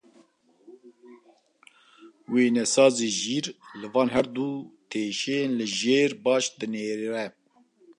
Wênesazê jîr, li van her du teşeyên li jêr baş binêre.